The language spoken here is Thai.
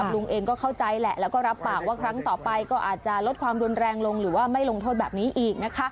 ลุงเองก็เข้าใจแหละแล้วก็รับปากว่าครั้งต่อไปก็อาจจะลดความรุนแรงลงหรือว่าไม่ลงโทษแบบนี้อีกนะคะ